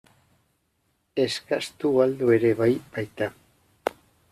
Eskastu galdu ere bai baita.